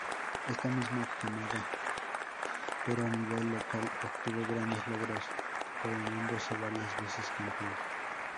Esta misma camada pero a nivel local obtuvo grandes logros, coronándose varias veces campeón.